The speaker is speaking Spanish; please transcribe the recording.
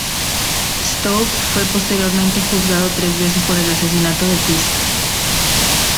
Stokes fue posteriormente juzgado tres veces por el asesinato de Fisk.